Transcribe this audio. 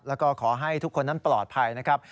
แล้วก็ขอให้ทุกคนนั้นปลอดภัยนะครับ